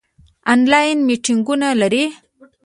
آنلاین میټینګونه لرئ؟